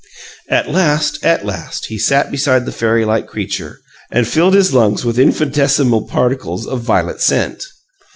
At last, at last, he sat beside the fairy like creature, and filled his lungs with infinitesimal particles of violet scent.